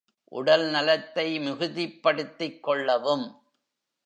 உடல் நலத்தை மிகுதிப்படுத்திக் கொள்ளவும்.